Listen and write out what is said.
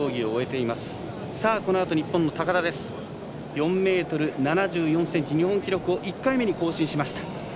４ｍ７４ｃｍ日本記録を１回目に更新しました。